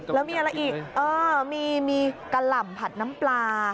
แล้วมีอะไรอีกมีกะหล่ำผัดน้ำปลา